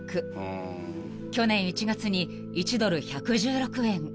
［去年１月に１ドル１１６円］